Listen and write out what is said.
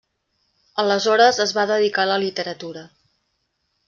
Aleshores es va dedicar a la literatura.